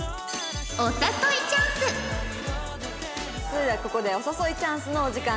それではここでお誘いチャンスのお時間です。